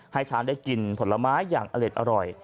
ให้ช้างได้กินผลไม้อย่างอเล็ดอร่อย